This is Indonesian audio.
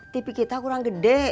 tv kita kurang gede